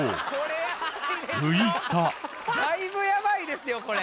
だいぶやばいですよこれ！